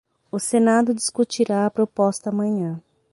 O senado discutirá a proposta amanhã